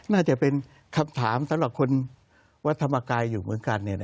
น่าจะเป็นคำถามสำหรับคนวัดธรรมกายอยู่เหมือนกัน